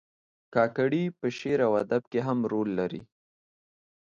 کاکړي په شعر او ادب کې هم رول لري.